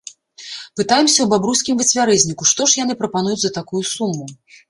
Пытаемся ў бабруйскім выцвярэзніку, што ж яны прапануюць за такую суму.